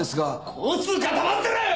交通課は黙ってろよ！！